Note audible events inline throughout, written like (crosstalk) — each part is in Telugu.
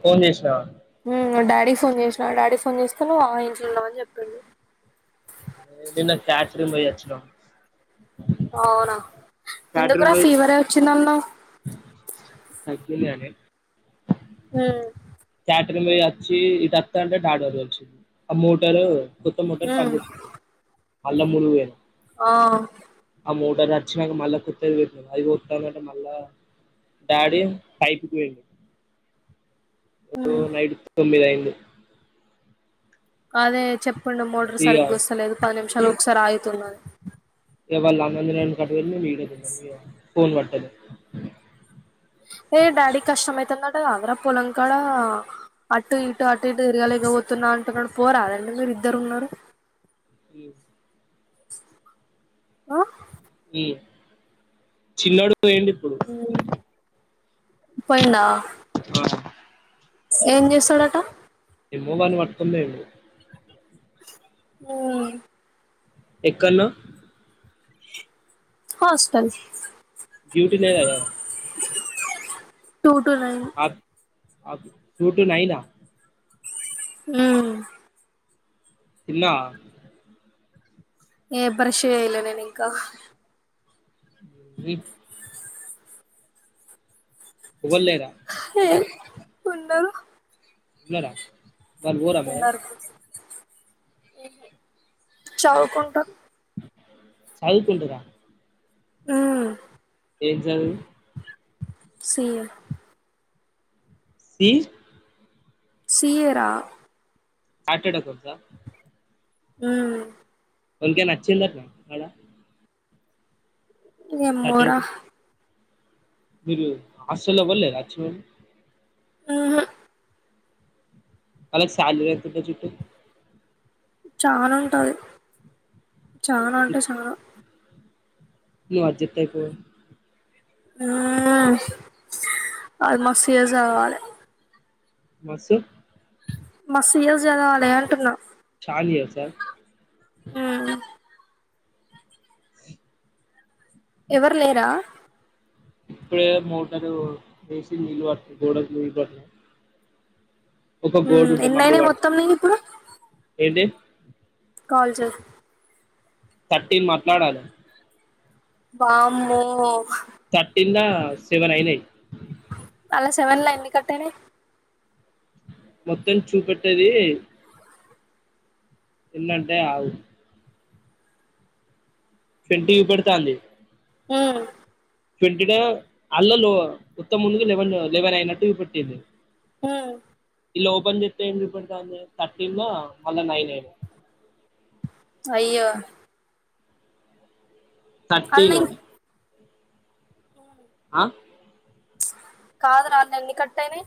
ఫోన్ చేసిన హ్మ్ డాడీ ఫోన్ చేసినా డాడీ ఫోన్ చేస్తా ఆ ఇంట్లో ఉన్నా అని చెప్పిండు మేము కూడ క్యాటరింగ్ పోయి వచ్చినం అవునా ఎందుకు రా ఫీవరే వచ్చింది అన్నావ్ పొద్దునెనే ఆ ప్రొద్దున్నే వచ్చి నత్తాంటే డాక్టర్ వచ్చిండు ఆ మోటరు కొత్త మఠం పని హ్మ్ చేత్తర (unintelligible) ఆ అవి నచ్చినాక మళ్ళా కొత్తావి పెట్టినార్ అవి నత్తన్నాయి అంటే మళ్ళా డాడి పైకిపోయిండు ఓ హ్మ్ నైట్ తొమ్మిది అయిండు కాదే చెప్ రెండు మోటర్ ఇక సరిగ్గా వస్తలేదు పది నిమిష్ మళ్ళీ ఒకసారి అయిల్ తుడవాలి ఎగ వాళమం (unintelligible) దం కట్ట మీడదు ఫోన్ కనపడటం లే ఏ డాడీ కష్టం అయితుందట అధరా పొలం కాడ అటు ఇటు అటు ఇటు తిరగాలేక పోతున్నా అంటున్నాడు పోరా దండి మీరు ఇద్దరు ఉన్నారు ఇగ ఆ చిన్నోడు ఏంటి ఇప్పుడు పోయిందా ఆ ఏం చేస్తాడట పిల్లొల్లని పట్కొని పొయిండ్రు హ్మ్ ఎక్కనో హాస్టల్ డ్యూటీ లేదా రా (unintelligible) టూ టూ నైన్ ఆకు టూ టూ నైన్ ఆహ్ హ్మ్ తిన్నావా ఏ బ్రష్ చేయలే నేను ఇంకా వి ఎవల్లేరా ఉన్నరు ఉన్నారా వాళ్ళు పోరా అ మరి హ్మ్ హు చావు కుంటార్ చదువుకుంటూరా నా ఏం చదువు C A C C A రా అట్టడకు గా హ్మ్ వానికి నచ్చింది అంటనా అడా ఏమో రా మీరు హాస్టల్లో ఎవరు లేరా వచ్చే వాళ్ళు ఆహ వాళ్ళకి శాలరీ ఎంత ఉంటుంది చుట్టూ చానా ఉంటది చానా అంటే చానా ఇయా జితయ్ పో అ అది మస్తు ఇయర్స్ చదవాలె మస్తు మస్తు చదవాలే అంటున్నా చాలా ఇయర్స్ ఆ ఉమ్ ఎవరు లేరా ఇప్పుడే మోటార్ బెసీ నీళ్లు పట్టి గోడకు నిల్లి పట్టినా ఒక గోడ ఉమ్ ఉంటే మమ్మీ ఎన్నయినాయి పడ్తంది మొత్తం నీకు ఇప్పుడు ఏంటి కాల్ చెయ్ థర్టీన్ మాట్లాడాలే బామ్మో థర్టీన్ నా సెవెన్ అఐనా సవన్లైన్ని కట్టేనే మొత్తం చూపెట్టది ఎందంటే ఆవు ఫన్ టీవి పడుతా అంది హ ట్వంటీ అల్ల లో ఉత్తం ముందు లెవెన్ లెవెన్ అయినట్టు పెట్టింది హ ఇలా ఓపెన్ చెప్స్తా ఏం రిప థర్టీన్మా మళ్ళా నైన్ ఎయిట్ అయ్యో థర్టీన్డి అవు ఆ కాదు రాళ్ళు ఎన్ని కట్టయినా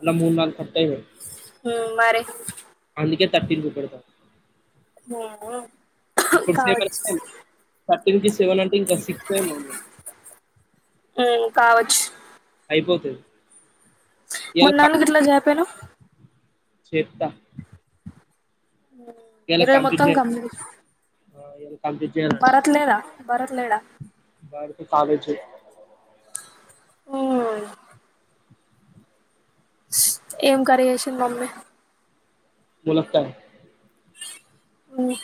అలా మూడు నగు కట్టై మరి అందుకే తప్పపు పెడతాం హ కావచ్చు ఎ సెవెన్ అంటే ఇంకా సిక్స్ అైన్ ఉ ఉమ్ కావచ్చు అయిపోతది మన్నాళ్ళు గి ట్లా జయాపను చెతా ఈరోజు మొత్తం కంప్లీట్ ఆ ఎల్ భరత్లేడా భరత్ లేడా వాడితో కాలేజ్ అయి ఇస్ ఏం కరీ చేసింది మమ్మీ ములక్కాయ ఆ హ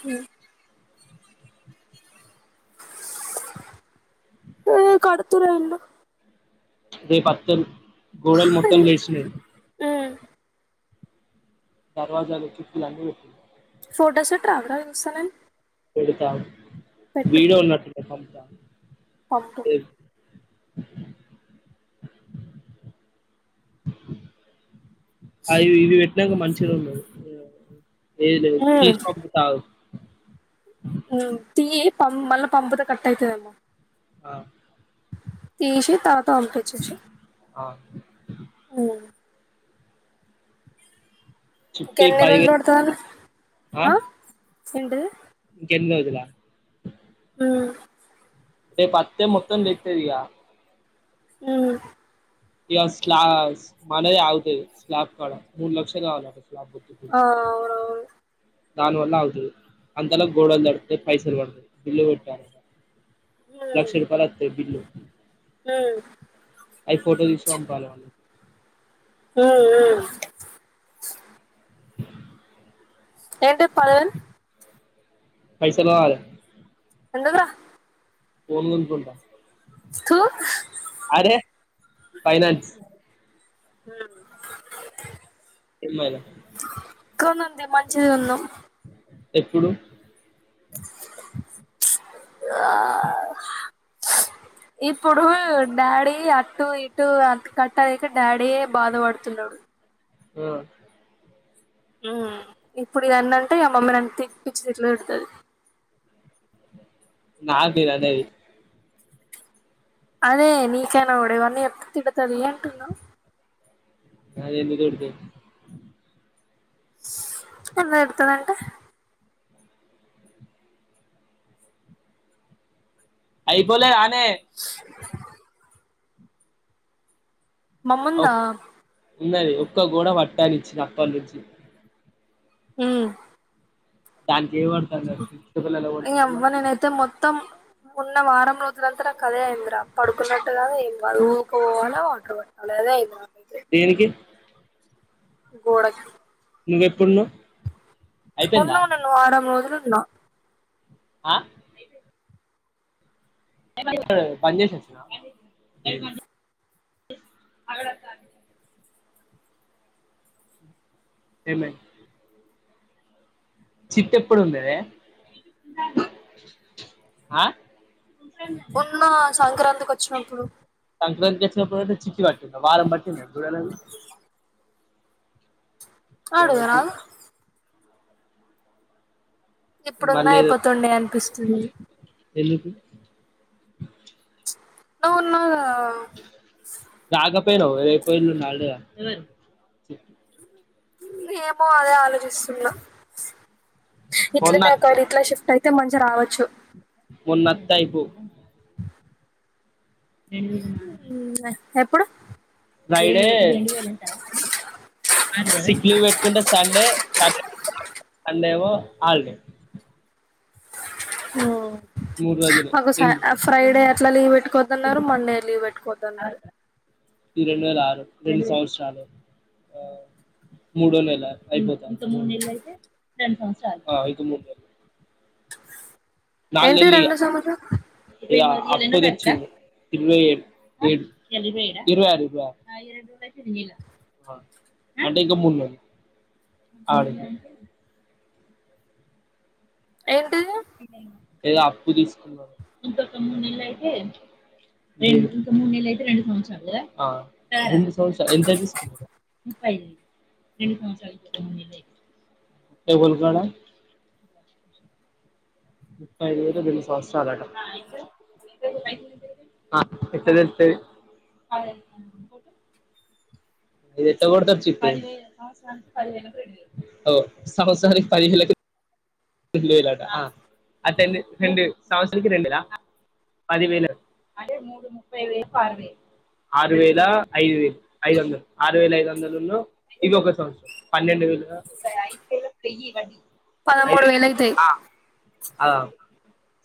ఏ కడుతురన్న రేపతారు గోడల్ మొత్తం లెస్నాయ్ ఉమ్ దర్వాజాలు కిటికీలు అన్ని పెట్టిర్రు ఫోటోస్ పేట్రావరా చూస్తానెం పెడుతా ఆగు విడో ఉన్నట్టుంది పామ్ పంపు అఆ ఇది పెట్నక్క మంచ్ (unintelligible) ఏది లేదు తీసి పంపుతా ఆగు ఉ తీయ్ పం మళ్ళ పంపితే కట్ అయితది ఏమో ఆ తీశి తరువాత పంపించ్చేషయ్ ఆ ఇంకా చిట్టి ఎన్ని రోజులు పడతాళ్లు పదివేలు ఆ అ ఏంటిది ఇంకెన్ని రోజుల మ్ రేపత్తే మొత్తం తేత్తదిగా ఊ ఇగా స్లా మనదే ఆగుతది స్లాప్ కాడా మూడు లక్షలు కావాలట స్లాబ్ ఒత్తుకు ఆ అవునవును దాని వల్ల ఆగుతది అంతల గోడలు తడుస్తాయి పైసలు పడుతది బిల్లు పెట్టాలే హ్మ్ లక్షరూపాయలు అత్తాయ్ బిల్లు హ్మ్ అయి ఫోటో తీశి పంపాలి వాళ్ళకి ఆఆ ఏంటీ (unintelligible) పైసలు కావాలి ఎందుకు రా ఫోన్ కొనుకుంటా తూ అరే ఫైనాన్స్ మ్ ఇ ఎమ్ ఐ లా కొందాం తే మంచిది కొందాం ఎప్పుడు ఆ.. ఇప్పుడు డాడీ అటు ఇటు కట్ట లేక డాడీ యే బాధపడుతున్నాడు ఆ ఊ ఇప్పుడు ఇగా అన్ని అంటే ఇగా మమ్మీ నన్ను తి పిచ్చి తిట్లు తిడుతది నాకు నేను అనేది అదే నీకు అయినా కూడా ఇవన్నీ చెప్తే తిడతది అంటున్న అదే ఎందుకు తిడుతది ఎందుకు తిడతది అంటే అయిపోలేదా నే మమ్ముందా ఉన్నది ఒక్క గోడ వట్టనిచ్చిన అప్పటి నుంచి మ్మ్ హ్ దానికి ఏమంటంది అది చెపు కళలు ఇంగ కంటందా అవ్వ మరి నేనైతే మొత్తం ఉన్న వారం రోజులంతా నాకు అదే అయిందిరా పడుకున్నట్టుగాదు ఏం కాదు ఊరికిపోవాలా వాటర్ పట్టాల అదే ఉంది నాకు దేనికి గోడ కి నువ్వెప్పుడు ఉన్నావ్ ఉండుడు నువ్వు వారం రోజులు నో ఆ ఇప్పుడు బంద్ చేసి వచ్చినవా అగడాత్తంది ఏమైంద్ చిట్టెప్పుడు వుందే ఆ మొన్న సంక్రాంతికి వచ్చినప్పుడు లేకపోతే చిట్టీ కట్టు ఇంక వారం పట్టిందా జువేల్లారి వద్దు అడుగారాదు ఇప్పుడున్నా మళ్ళీ ఏదో అయిపోతుండే అనిపిస్తుంది ఎందుకు (inaudible) నువ్వు ఉన్నావ్ కదా ఆ అ పోయిరాపో రేపు ఎల్లుండి హాలిడే అని చెప్పు ఏమో అదే ఆలోచిస్తున్నా మొన్న ఇట్లనే ఒకైనా ఇంట్లకి షిఫ్ట్ అయితే మంచిగ రావ వచ్చు మొన్న అత్తే ఐపోవ్ రెండు వేల నాలుగు అయిపోయి ఎప్పుడు ఫ్రైడే సిక్లీవ్ పెట్టుకుంటే సండే సాటర్డే సండేమో హాలిడే ఉహ్ మూడు రోజులు మాకు ఈ ఫ్రైడే అట్ల లీవ్ పెట్టుకోవద్దన్నారు. మండే లీవ్ పెట్టుకోవద్దన్నారు ఈ రెండు వేల ఆరు రెండు సంవత్సరాలు ఆ మూడో నెల అయిపోతంది ఇంక మూడు నెలలు నాలుగు ఏంటి నెలలు ఇగ. రెండు సంవత్సరం ఇగ అప్పు తెచ్చింది ఇరవై ఏడు ఏడ్ ఇరవై ఆరు గా ఆ అంటే ఇంక మూడు నెలలు ఆ ఏంటి అప్పు తీసుకున్న ఆ రెండు సవంత్సరాలు ఎంతకు తీసుకున్న ముప్పై రెండు చాలా ముప్పై ఐదు వేలకు గిన్ని సంవత్సరాలటా ఆ ఎట్లా తెలుత్తది అది ఎట్ల కొడతారు చిట్టి ఆ సంవత్సనికి పదిహేలు అయితే రెండు వేలు అట ఆ అట్టండే రెండు సంవత్సరాలకి రెండేల ఆ పదివేలు ఆరువేల ఐదు ఐదు వందలు ఆరు వేల ఐదు వందలు ను ఇది సంవత్సరం పన్నెండు వేలు పదమూడు వేల ఆ ఆ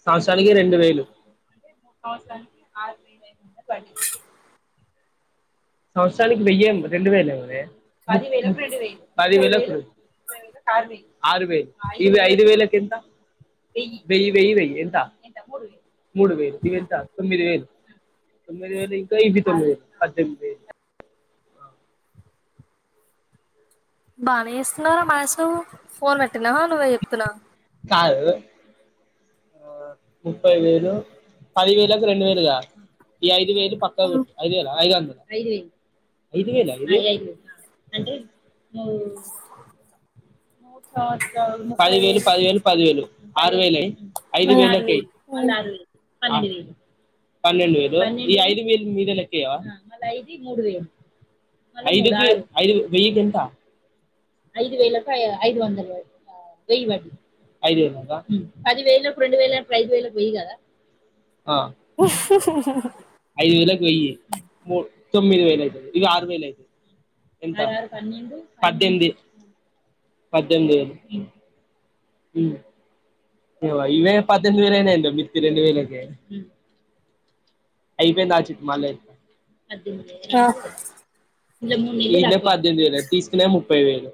సంవత్సరానికి రెండు వేలు సంవత్సరానికి వెయ్యి ఏమో రెండు వేలేమొనే పది వేలు అప్పుడు ఆరు వేలు ఇవి ఐదు వేలకెంత వెయ్యివెయ్యి వెయ్యి ఎంత మూడు వేలు ఇది ఎంత తొమ్మిది వేలు తొమ్మిది వేలు ఇంటు ఇవి తొమ్మిది వేలు పద్దెనిమిది వేలు బానే చేస్తున్నారా మయిసు ఫోన్ పెట్టినవా నువ్వే చెప్పు తిన్నా ఆ ఎవే ముప్పై వేలు పది వేలకు రెండు వేలుగా ఈ ఐదు వేలు పక్కకి పెట్టి ఐదు వేల అయిగానీ ఐదు వందలు ఇవి పదివేలు పదివేలు పదివేలు ఆరు వేలయి ఐదు ఉ వేలకేయ్ ఉ ఆ పన్నెండు వేలు ఈ ఐదు మీద లెక్కేయవ ఐదుకి ఐదుకి వెయ్యి కెంత ఐదు వందలు వెయ్యి వడ్డీ మ్ పది వేలకు రెండు వేలు అంటే ఐదు వేలకు వెయ్యి కాదా (inaudible) ఐదు వేలకు వెయ్యి మూ తొమ్మిది వేలు అయితది ఇగ ఆరు వేలు అయితది ఎంత పద్దెనిమిది పద్దెనిమిది వేలు ఉమ్ ఇగో ఇవే పద్దెనిమిది వేలయింది మితికి రెండు వేలకే అయిపోయింద ఆచిట్ మళ్ళ పద్దెనిమిది ఆ వేలంటే వెే పద్దెనిమిది వేలు అ తీసుకునే ముప్పై వేలు